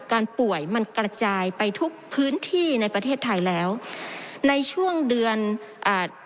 ป่วยมันกระจายไปทุกพื้นที่ในประเทศไทยแล้วในช่วงเดือนอ่า